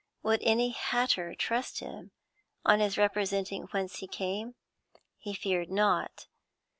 Would any hatter trust him, on his representing whence he came? He feared not.